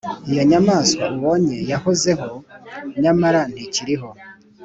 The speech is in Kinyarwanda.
Iyo nyamaswa ubonye yahozeho nyamara ntikiriho,